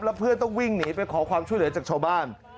แล้วเพื่อนต้องวิ่งหนีไปขอความช่วยเหลือจากชาวบ้าน